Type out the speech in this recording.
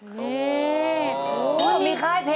ที่พอจับกีต้าร์ปุ๊บ